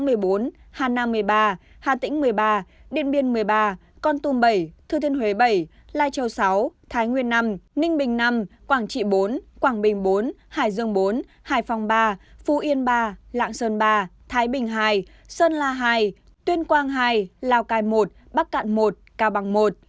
bình thuận một mươi bốn hà nam một mươi ba hà tĩnh một mươi ba điện biên một mươi ba con tùm bảy thư thiên huế bảy lai châu sáu thái nguyên năm ninh bình năm quảng trị bốn quảng bình bốn hải dương bốn hải phòng ba phú yên ba lạng sơn ba thái bình hai sơn la hai tuyên quang hai lào cai một bắc cạn một cao bằng một